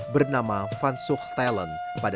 bernama van soechtelen pada seribu sembilan ratus lima belas